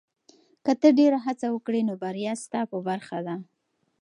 که ته ډېره هڅه وکړې، نو بریا ستا په برخه ده.